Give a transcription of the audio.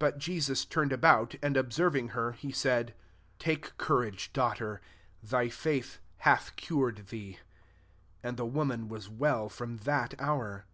22 Bu) Jesus turned about, and observ* ing her, he said, '• Take cou Vage, daughter ; thy faith hatl cured thee." And the womai was well from that hour.)